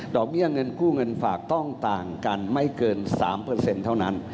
ดอกเมียเงินกู้เงินฝากต้องต่างกันไม่เกินสามเปอร์เซ็นต์เท่านั้น